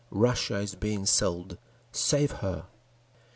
Russia is being sold! Save her!